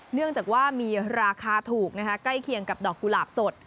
เนื่องจากว่ามีราคาถูกใกล้เคียงกับดอกกุหลาบสด